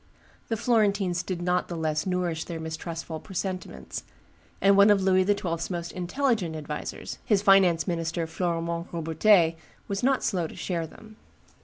The Florentines did not the less nourish their mistrustful presentiments; and one of Louis XII.'s most intelligent advisers, his finance minister Florimond Robertet, was not slow to share them.